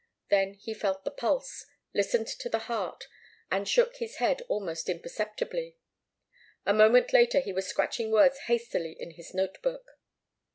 Then he felt the pulse, listened to the heart, and shook his head almost imperceptibly. A moment later he was scratching words hastily in his note book.